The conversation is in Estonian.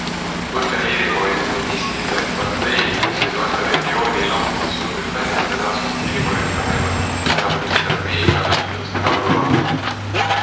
Põhja-Iirimaa unionistid ehk partei, kes ei toeta regiooni lahkumist Suurbritanniast ja naasmist Iirimaa rüppe, näivad üldiselt peaminister Mayga suhteliselt rahul olevat.